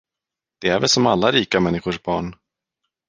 De är väl som alla rika människors barn.